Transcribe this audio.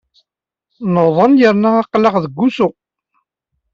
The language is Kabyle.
Nuḍen yerna aql-aɣ deg wusu.